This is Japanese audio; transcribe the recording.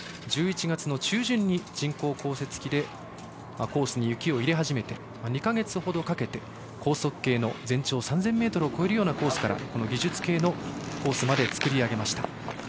１１月の中旬に人工降雪機でコースに雪を入れ始めて２か月ほどかけて高速系の全長３０００ｍを超えるようなコースから技術系のコースまで作り上げました。